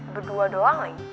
berdua doang nih